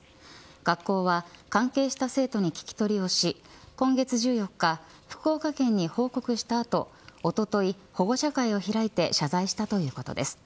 学校は関係した生徒に聞き取りをし今月１４日、福岡県に報告した後おととい、保護者会を開いて謝罪したということです。